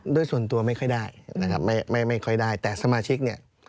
โดยส่วนตัวไม่ค่อยได้นะครับไม่ค่อยได้แต่สมาชิกเนี่ย